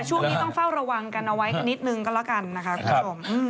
แต่ช่วงนี้ต้องเฝ้าระวังกันเอาไว้นิดหนึ่งก็แล้วกันนะครับ